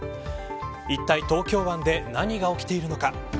いったい東京湾で何が起きているのか。